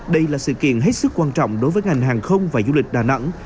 đây là sự kiện hết sức quan trọng đối với ngành hàng không và du lịch đà nẵng